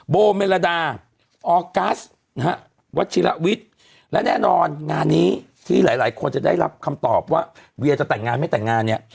โบเมลดาออกัสนะฮะวัชิระวิทย์และแน่นอนงานนี้ที่หลายคนจะได้รับคำตอบว่าเวียจะแต่งงานไม่แต่งงานเนี่ย